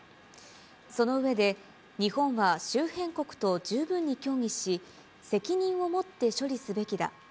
その上で、日本は周辺国と十分に協議し、責任を持って処理すべきだ。